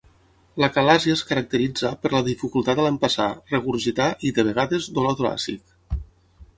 L'acalàsia es caracteritza per la dificultat al empassar, regurgitar i, de vegades, dolor toràcic.